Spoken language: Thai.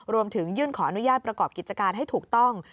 ยื่นขออนุญาตประกอบกิจการให้ถูกต้อง